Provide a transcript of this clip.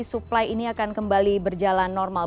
supply ini akan kembali berjalan normal